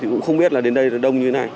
cũng không biết là đến đây là đông như thế này